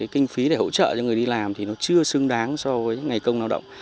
kinh phí để hỗ trợ cho người đi làm thì nó chưa xứng đáng so với ngày công lao động